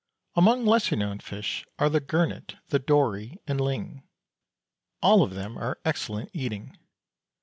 Among lesser known fish are the gurnet, dory, and ling. All of them are excellent eating.